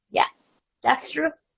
iya itu benar